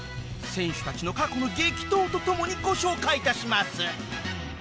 選手たちの過去の激闘とともにご紹介致します！